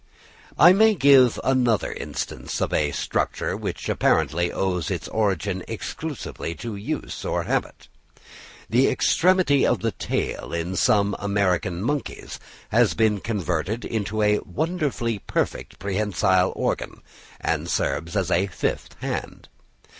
I may give another instance of a structure which apparently owes its origin exclusively to use or habit. The extremity of the tail in some American monkeys has been converted into a wonderfully perfect prehensile organ, and serves as a fifth hand.